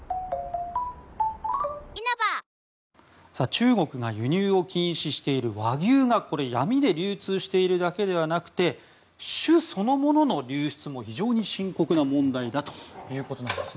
中国が輸入を禁止している和牛が闇で流通しているだけではなくて種そのものの流出も非常に深刻な問題だということです。